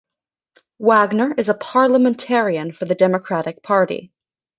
Wagner is a parliamentarian for the Democratic Party.